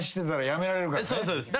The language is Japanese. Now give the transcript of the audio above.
そうです。